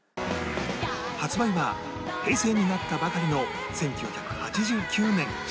発売は平成になったばかりの１９８９年４月